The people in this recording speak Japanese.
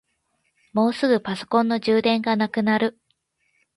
もうすぐパソコンの充電がなくなる。